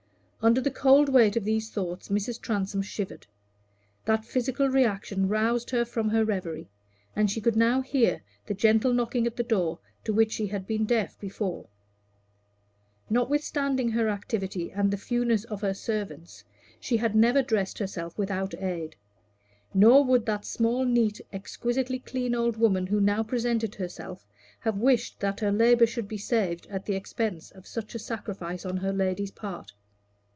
Under the cold weight of these thoughts Mrs. Transome shivered. That physical reaction roused her from her reverie, and she could now hear the gentle knocking at the door to which she had been deaf before. Notwithstanding her activity and the fewness of her servants, she had never dressed herself without aid; nor would that small, neat, exquisitely clean old woman who now presented herself have wished that her labor should be saved at the expense of such a sacrifice on her lady's part.